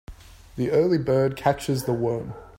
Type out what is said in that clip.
The early bird catches the worm.